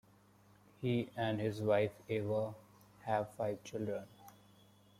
He and his wife Eva have five children.